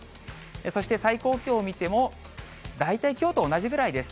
そして最高気温を見ても大体、きょうと同じくらいです。